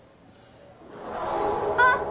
あっ！